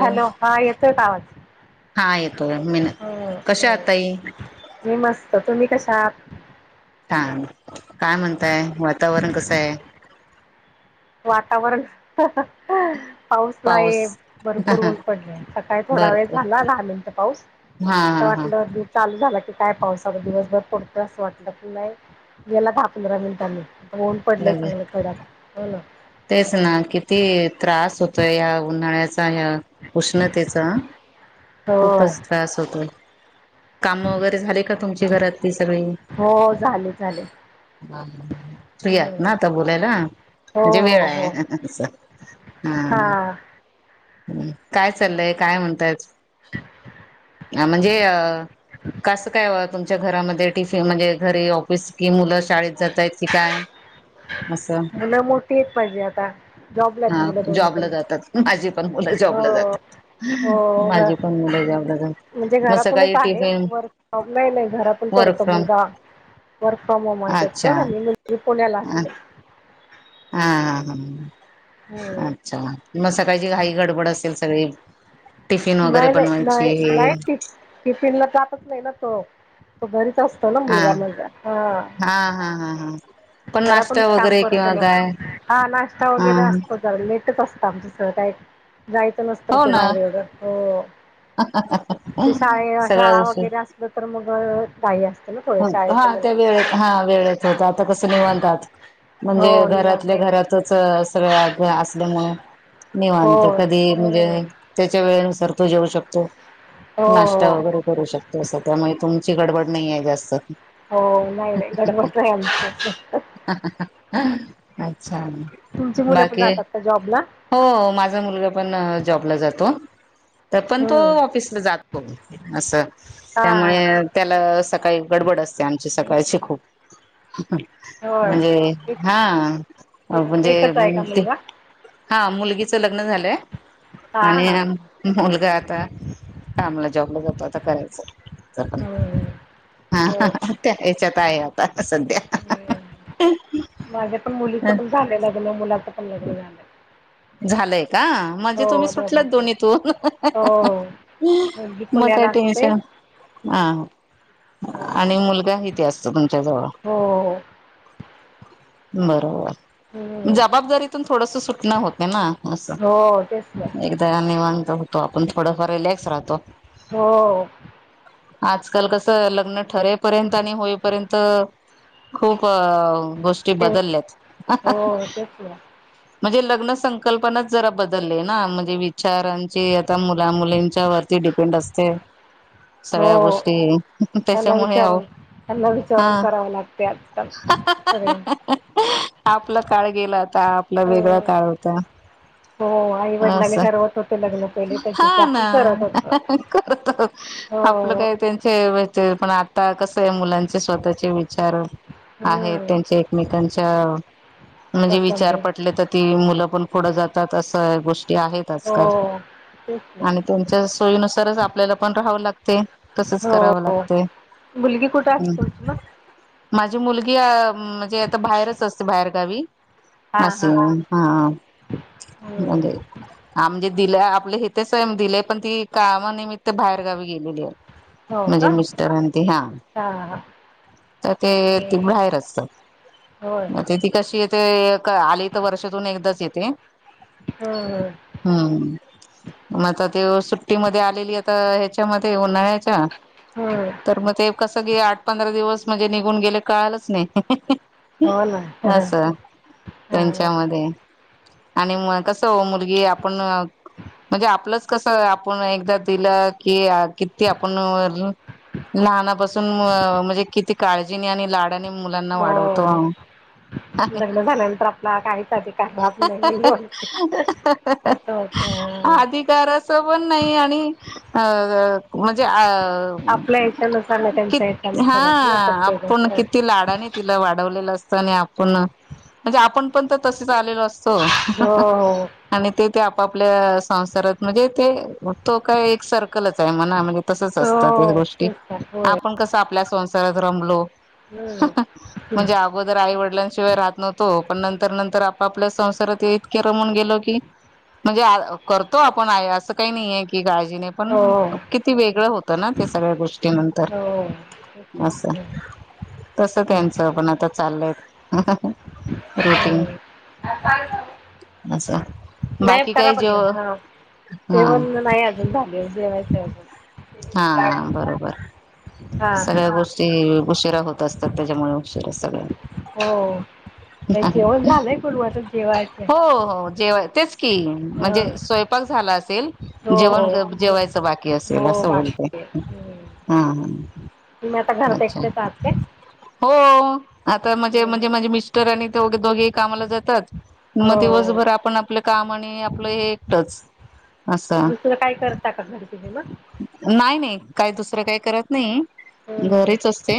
Hello हा येतोय काय आवाज. हा येतोय मीन हम्म कशा आहात हम्म. ताई. मी मस्त तुम्ही कशात? छान काय म्हणताय वातावरण कसंय वातावरण. पाऊस पाऊस नाही भरपूर ऊन पडले सकाळी थोडा वेळ भरपूर झाला दहा मिनट पाऊस. हा असं हा हा. वाटलं चालू झाला की काय पावसाला दिवसभर पडतोय असं वाटलं की नाही गेला दहा पंधरा मिनिटांनी ऊन पडलय लगे चांगल कडात होय ना. तेच ना किती त्रास होतोय या उन्हाळ्याचा ह्या. उष्णतेचा हो खूपच त्रास होतोय. काम वगैरे झाले का तुमची घरातली सगळी. हो झाल चाल. फ्री आहात ना आता बोलायला. हो म्हणजे हो वेळाय हो असं हा. काय चाललंय काय म्हणताय. अ.. म्हणजे अ कसं काय तुम मच्या घरामध्ये टिफिन म्हणजे घरी ऑफिस कि मुलं शाळेत जातायत की काय. असं. मुलं मोठी आहेत पाहिजे आता. जॉबला हा आहेत मुलं दोन्ही जॉबला पण जातात माझी पण मुलं जॉबला हो जातात. हो माझी पण मुल जोबला जा म्हणजे घरातूनच आहे वर्क फ्रॉम नाय नाय घरातून वर्क करतो फ्रॉम मुलगा. वर्क फ्रॉम होम [unintelligible] अच्छा त्याचं आणि मुलगी पुण्याला असते. आ ह ह. अच्छा म सकाळची घाई गडबड असेल सगळी. टिफिन वगैरे बनवायची. टीफीनला जातच नाय ना तो. तो घरीच असतो ना हा मुलगा माझा. हा हा हा हा पण [unintelligible] नाश्ता काम वगैरे किंवा पडतं ना. काय हा जरा लेटच असतं आमचं सगळं काय. जायचं नसतं हो कुठं ना बाहेर एवढं. हो, ते शाळे सगळ्या शाळा गोष्टी वगैरे असलं तर मग घाई असते ना खूप. हो, हा त्या वेळेत हा वेळेत होतं. आता कसं निवांत आज म्हणजे हो निवांत घरातल्या घरातच अं सगळ्या आज असल्यामुळं हो निवांत कधी म्हणजे हम्म त्याच्या वेळेनुसार तो जेवू शकतो, हो नाश्ता हो वगैरे करू शकतो असं, त्यामुळे तुमची गडबड नाहीये जास्त. हो, नाही नाही [unintelligible] आमचं अच्छा तुमची मुलं पण बाकी जातात का जॉबला? हो, माझा मुलगा पण जॉबला जातो. त पण तो हम्म ऑफिसला जात हो, असं. हा त्यामुळे हा त्याला सकाळी गडबड असते. आमची सकाळची खूप. होय म्हणजे एक हा, म्हणजे एकच आहे का ते मुलगा? हा, मुलगीचं लग्न झालंय हा हा आणि मुलगा आता कामाला, ‌जॉबला जातो. आता करायचं हम्म [unintelligible] होय आहे, आता सध्या. माझ्या पण मुलीचं पण झालं लग्न. मुलाचं पण लग्न झालं. झालंय का? बाकी तुम्ही हो सुटलात दोघांचं होय. दोन्हीतून, हो मुलगी मग काय पुण्याला असते. टेन्शन आ हो आणि मुलगा हिथे असतो, तुमच्या जवळ. हो बरोबरं. हम्म जबाबदारीतून थोडंसं सुटणं होत ना असं. हो तेच ना एकदा निवांत होतो आपण, थोडंफार रिलॅक्स राहतो. हो. आजकाल कसं लग्न ठरेपर्यंत आणि होईपर्यंत खूप गोष्टी ते बदलल्यात. हो तेच ना म्हणजे लग्न संकल्पनाच जरा बदललीय ना, म्हणजे विचारांचे त्या मुला मुलींच्यावरती डिपेंड असते. सगळ्या हो गोष्टी त्याच्यामुळे त्यांना विचारून हा करावं लागते आजकाल सगळंच. आपला काळ गेला आता. आपला हो वेगळा काळ होता. हो आई वडिलांनी असं. ठरवत होते लग्न पहिले त्यांच्याशी हा ना आपण करत होतो [unintelligible] आपलं हो काय त्यांच हे पण आता कसं आहे, मुलांचे स्वतःचे विचार आहेत. हम्म त्यांचे एकमेकांच्या म्हणजे पसंत विचार आहे [unintelligible] तर ती मुलं पण पुढ जातात. असं गोष्टी आहेत. हो. आजकाल तेच ना आणि त्यांच्या सोयीनुसारच, आपल्याला पण राहावं लागते. तसंच हो करावं लागतंय. मुलगी कुठे असते तुमची मग? माझी मुलगी अं म्हणजे आता बाहेरच असते, बाहेरगावी. असं. हा, हम्म [unintelligible] हा म्हणजे दिले आपले इथं स दिलेय पण ती कामानिमित्त बाहेर गावी गेलेली आहे. हो म्हणजे का मिस्टर आणि ते हा तर ते त हम्म बाहेर असतात होय मग ते ती कशी येत ते आली तर वर्षातून एकदाच येते हम्म हम्म मग आता त्यो सुट्टीमध्ये आलेली आता ह्याच्यामध्ये उन्हाळ्यात अच्छा हम्म तर मग ते कसं क आठ पंधरा दिवस म्हणजे निघून गेले कळालंच नाही. हो ना असं त्यांच्यामध्ये आणि कसं ओ मुलगी आपण म्हणजे आपलंच कसं आपण एकदा दिलं की किती आपण लहानापासून म्हणजे किती काळजीनी आणि लाड मुलांना हो वाढवतो आणि लग्न झालेनंतर आप- -ला काहीच अधिकार राहतं नाही असं होत. तर अस पण नाही आणि अ म्हणजे अ आपल्या ह्याच्यानुसार नाही कि त्यांच्या हा ह्याच्यानुसार होते ना प्रत्येक आपण गोष्ट किती लाडानी तिला वाढवलेलं असतं आणि आपण म्हणजे आपण पण तर तसेच आलेलो असतो हो हो ह आणि ते ते आपापल्या संसारात म्हणजे ते तो काय एक सर्कलच आहे म्हणा म्हणजे तसच असतात ह्या हो गोष्टी तेच तर होय आपण कसं आपल्या संसारात रमलो हम्म. हम्म. म्हणजे अगोदर आई वडिलांशिवाय राहत नव्हतो पण नंतर तर नंतर आपापल्या संसारात इतके रमून गेलो की म्हणजे करतो आपण आहे असं काही नाहीय की काळजी नाही पण हो पण किती वेगळं होतं ना त्या सगळ्या गोष्टी नंतर हो तेच अस हम्म. तस त्यांचं पण आता चाललंय. रुटीन ह काय असं नाही बाकी करा काय बंद जेव हा हा जेवण नाही अजून झालेलं जेवायचं अजून हा बरोबर हा हा सगळ्या गोष्टी उशिरा होत असतात त्याच्यामुळे उशिरा सगळ्या हो जेवण झालंय कुलवायचं जेवायचं जेव तेच की हा म्हणजे स्वयंपाक झाला असेल हो हो जेवण जेवायचं बाकी असेल हो असं बाकी बोलते. आहे हम्म हम् तुम्ही आता घरात एकटेच आहात काय? हो आता म्हणजे हम्म हम्म. म्हणजे माझे मि- -स्टर आणि त्यो दोघेही कामाला जातात हो मग दिवसभर आपण आपलं काम आणि आपलं हे एकटच दुसरं काय करता का घरी तुम्ही मग? नाय नाय काय दुसरं काय करत नाही. हम्म घरीच असते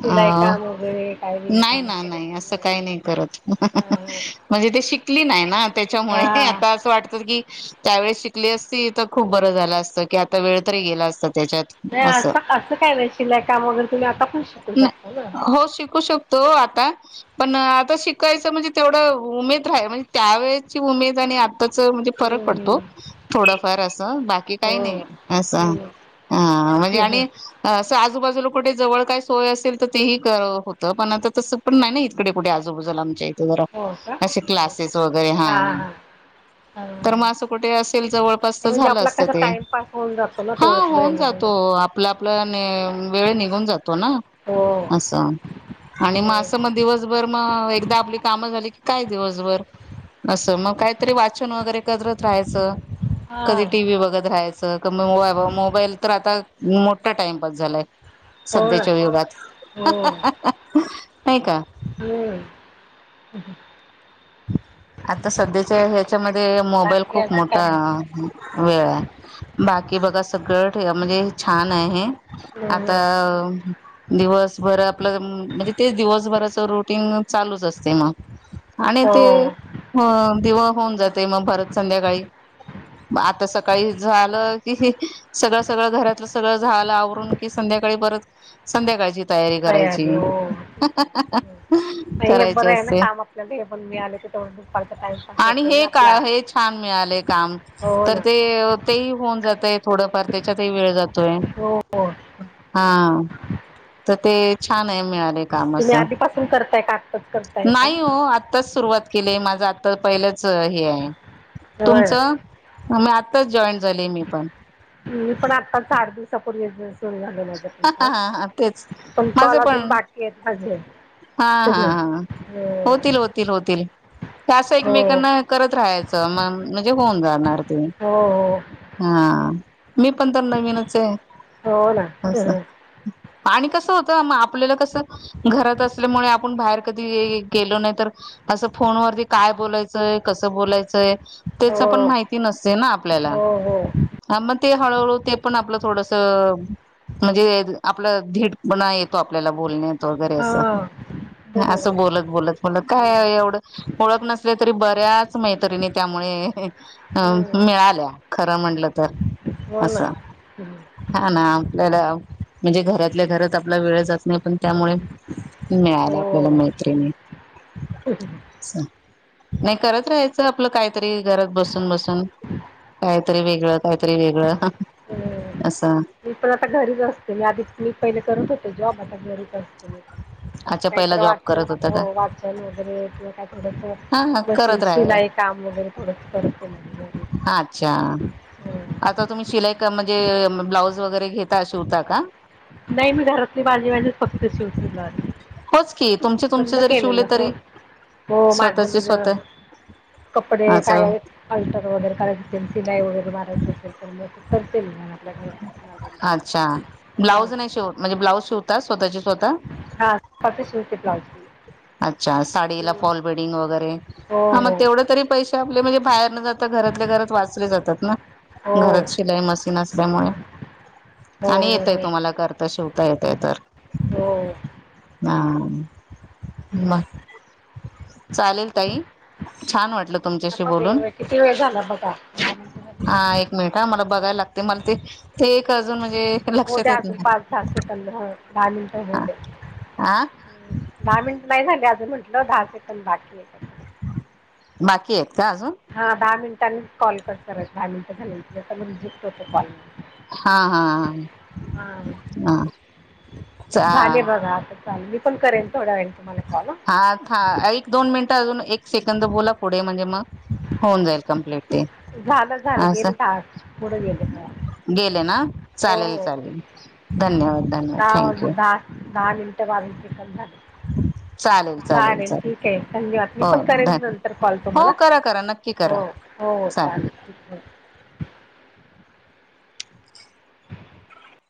शिलाई काम वगैरे काय नाय विणकाम असं ना नाय करत असं नाही ना काय नाय करत हा म्हणजे ते शिकली नाही ना त्याच्यामुळे हा आता असं वाटत की त्यावेळे शिकली असती तर खूप बरं झालं असतं की आता वेळ तरी गेला असता त्याच्यात. नाही अ, सं असं काय नाही शिलाई काम वगैरे, तुम्ही आता पण शिकू शकता ना. हो शिकू शक तो आता. पण आता शिकायचं म्हणजे तेवढं उमेद राह, म्हणजे त्यावेेळेची उमेद आणि आता त्याच म्हणजे फरक हम्म पडतो, थोडाफार असं, बाकी हो काही नाही, असं हम्म हा म्हणजे आणि असं आजूबाजूला कुठे जवळ काय सोय असेल तर ते ही करत होतं, पण आता तसं पण नाही नाहि. तिकडे कुठे आजूबाजूला आमच्या इथं जरा हो का असे क्लासेस वगैरे, हा. हा तर मग नाही असं कुठे असेल जवळपास तर झालं असतं ते. तवाच राहीलं नाही. हो, आपलं आपलाने वेळ निघून जातो ना. हो असं, आणि मग असं मग दिवस दिवसभर, मग एकदा आपली कामं झाली की काय दिवसभर. असं, मग काहीतरी वाचन वगैरे करत राहायचं, हा कधी टी व्ही बघत राहायचं, क म मोबाईल तर आता, मोठा टाइमपास झालाय. हो ना सध्याच्या युगात,, हो नाही का. हम्म. आता सध्याच्या ह्याच्यामध्ये मोबाईल बाकी खूप अजून काय मोठा म्हणते वेळाय, बाकी बघा सगळं ठीकाय म्हणजे छान आहे, हं आता हं दिवसभर आपलं, म्हणजे तेच दिवसभराच रुटीन चालूच असतय मग आणि ते, हो हो दिवं होऊन जातय मग परत संध्याकाळी. ब आता सकाळी झालं, कि सगळं सगळं घरा तलं सगळं झालं आवरून की संध्याकाळी परत, संध्याकाळची तयारी करायची,, करायची असते. नाय ठीके पण मी आले तेवढंच बग आणि हे काय, हे छान मिळालंय काम. हो तर ना ते, तेही होऊन जातय थोडंफार त्याच्यातही वेळ जातोय. हो हो. हां, तर ते छान आहे मिळालय तुम्ही आधीपासून करताय का आत्ताच? करताय का नाही हो, आत्ताच सुरुवात केलीय माझं आत्ता पहिलंच हे आहे. होय तुमचं, मी आत्ताच जॉईन झालेय मी पण. मी पण आत्ताच आठ दिवसापूर्वीच सुरू झालेल्या पासनं हा हा काम, हा तेच पण कॉल माझं अजून पण बाकी आहेत माझे. हा हा हा हा, हो होतील होतील होतील. हे असं हो एकमेकांना करत राहायचं म, म्हणजे होऊन जाणार ते. हो हो. हा, मी पण तर नवीनच ए. हो ना. असं, आणि कसं होतं मग आपल्याला कसं घरात असल्यामुळे आपण बाहेर कधी गेलो नाही तर असं फोनवरती काय बोलायचंय कसं बोलायचंय? तेचं पण हो माहिती नसते ना आपल्याला. हो हो हा मग ते हळूहळू ते पण आपलं थोडंसं म्हणजे आपला धीटपणा येतो आपल्याला बोलण्यात. तो वगैरे हा असं. असं बरोबर बोलत बोलत म्हणलं काय एवढं, ओळख नसले तरी बऱ्याच मैत्रिणी त्यामुळे मिळाल्या. खर म्हंणलं तर हो असं ना हा ना. त्याला म्हणजे घरातल्या घरात आपला वेळ जात नाही पण त्यामुळे मिळाल्या आपल्याला मैत्रिणी ह [unintelligible] असं. नाही करत राहायचं. आपलं काहीतरी घरात बसून बसून. काहीतरी वेगळं काहीतरी वेगळं असं. मी पण आता घरीच असते. मी आधी मी पहिले करत होते जॉब. आता घरी अच्छा पहिला काहीतरी जॉब वाचन करत होता का हो. वाचन वगैरे किंवा काहीतर हा थोडस मशीन करत सिलाई राहा काम वगैरे थोडं करते. मग घरी अच्छा. आता तुम्ही शिलाई म्हणजे ब्लाऊज वगैरे घेता, शिवता का? नाही मी घरातली माझी माझी फक्त शिवते ब्लाऊज. होच की. तुमचे तुमचे जरी शिवले तरी हो माझं स्वतःचे माझं स्वतः कपडे असं काय. अल्टर वगैरे करायचं असेल. सिलाई वगैरे मारायची असेल, तर मग ते करते मग घरातल्या घरात अच्छा. ब्लाऊज नाही शिव म्हणजे ब्लाऊज शिवता स्वतःच्या स्वतः? घेते ब्लाऊज मी. अच्छा, साडीला फॉल बेडिंग वगैरे हो हा मग हो. तेवढे तरी पैसे आपले म्हणजे बाहेर न जात घरातल्या घरात वाचले जातात ना. हो हो घरात शिलाई मशीन असल्यामुळे आणि येतय बरोबर तु त शिवता येते तर, हो ह. म चालेल ताई छान वाटलं. तुमच्याशी बोलून. बघ किती वेळ झाला बघा दहा मिनिटं झाली का हा एक मिनिट हा मला बघाय लाग ते मला ते ते एक अजून म्हणजे हो लक्षात द्या येत अजून नाही. पाच दहा सेकंद ह ह. झाली. हा आ. दहा मिनिट नाही झाले असं म्हटलं. दहा सेकंड बाकी आहेत म्हटलं. बाकी आहेत का अजून हा दहा मिनिटांनी कॉल कट करा. दहा मिनिट झाल्यानंतर मी रिजेक्ट करतो. कॉल हा हा. हा हा चा झाले बघा आता चालेल. मी पण करेन थोड्या वेळ हा. हा एक दोन मिनिटं अजून, एक सेकंद बोला पुढे म्हणजे मग होऊन जाईल कम्प्लिट ते. झालं झालं असं गेले तास पुढं गेले. गेले ना चालेल हो चालेल. धन्यवाद. धन्यवाद दहा थँक्यू वाजून दहा दहा मिनिटं बावीेस सेकंद झाले. चालेल चालेल चालेल ठीक आहे धन्यवाद मी हो पण करेन धन्य नंतर कॉल हो तुम्हाला करा करा नक्क कि हो करा हो हो, चालेल. [unintelligible] [inaudible]